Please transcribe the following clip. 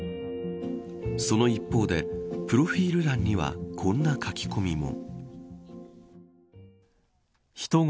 その一方でプロフィル欄にはこんな書き込みも。